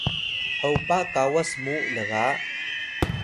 hopa kawas mu lga